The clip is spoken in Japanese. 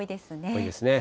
多いですね。